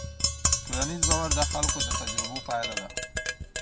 ټولنیز باور د خلکو د تجربو پایله ده.